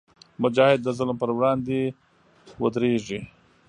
مجاهد د ظلم پر وړاندې ودریږي.